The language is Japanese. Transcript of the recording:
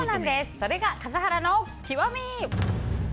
それが笠原の極み！